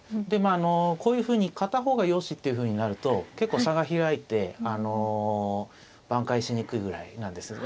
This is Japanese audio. でまあこういうふうに片方がよしってふうになると結構差が開いて挽回しにくいぐらいなんです。